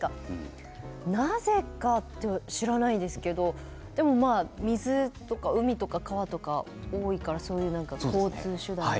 なぜか知らないですけど水とか海とか川とか多いから交通手段が？